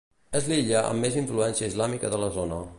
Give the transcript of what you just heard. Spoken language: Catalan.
És l'illa amb més influència islàmica de la zona.